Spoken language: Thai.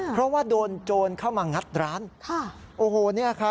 เพราะว่าโดนโจรเข้ามางัดร้าน